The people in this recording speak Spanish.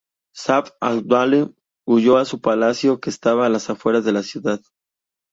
Sayf al-Dawla huyó de su palacio, que estaba a las afueras de la ciudad.